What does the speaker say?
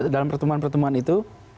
dalam pertemuan pertemuan itu